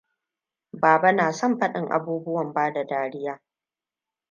Baba na son fadin abubuwan ba da dariya.